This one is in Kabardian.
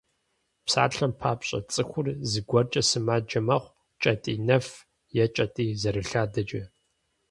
Псалъэм папщӏэ, цӏыхур зыгуэркӏэ сымаджэ мэхъу: кӏэтӏий нэф е кӏэтӏий зэрылъадэкӏэ.